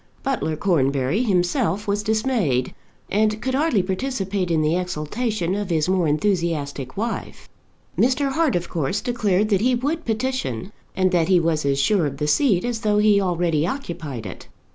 Butler Cornbury himself was dismayed, and could hardly participate in the exultation of his more enthusiastic wife. Mr. Hart of course declared that he would petition, and that he was as sure of the seat as though he already occupied it.